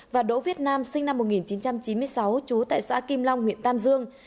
và đỗ viết nam sinh năm một nghìn chín trăm chín mươi sáu trú tại xã kim long huyện tam dương